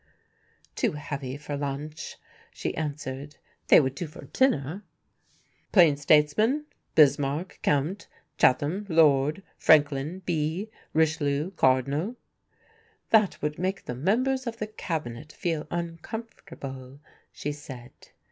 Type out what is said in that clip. "Too heavy for luncheon," she answered, "they would do for dinner." "Plain statesman? Bismarck, Count; Chatham, Lord; Franklin, B; Richelieu, Cardinal." "That would make the members of the Cabinet feel uncomfortable," she said.